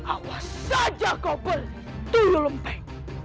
awas saja kau beli tuyul empeng